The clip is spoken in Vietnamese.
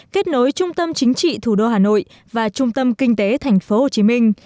kết nối trung tâm chính trị thủ đô hà nội và trung tâm kinh tế thành phố hồ chí minh